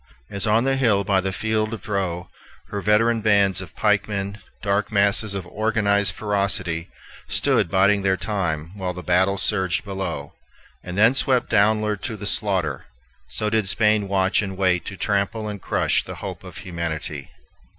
As on the hill by the field of Dreux, her veteran bands of pikemen, dark masses of organized ferocity, stood biding their time while the battle surged below, and then swept downward to the slaughter, so did Spain watch and wait to trample and crush the hope of humanity.